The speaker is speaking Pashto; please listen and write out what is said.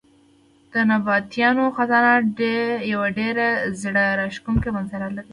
د نبطیانو خزانه یو ډېر زړه راښکونکی منظر لري.